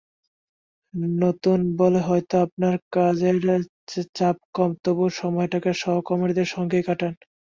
নতুন বলে হয়তো আপনার কাজের চাপ কম, তবু সময়টা সহকর্মীদের সঙ্গেই কাটান।